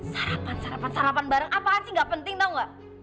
sarapan sarapan sarapan bareng apa aja gak penting tau gak